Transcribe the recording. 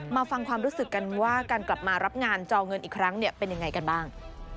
มาฟังความรู้สึกกันว่าการกลับมารับงานจอเงินอีกครั้งเป็นยังไงกันบ้าง